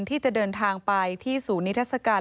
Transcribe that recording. ที่จะเดินทางไปที่ศูนย์นิทัศกาล